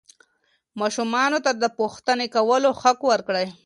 ماشومانو ته د پوښتنې کولو حق ورکړئ.